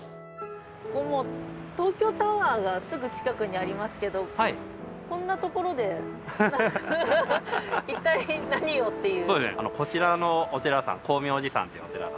東京タワーがすぐ近くにありますけどこんなところで一体何をっていう。